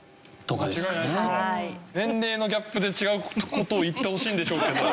年齢のギャップで違う事を言ってほしいんでしょうけど。